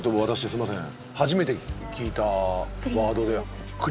すいません